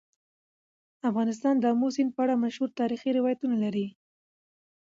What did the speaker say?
افغانستان د آمو سیند په اړه مشهور تاریخي روایتونه لري.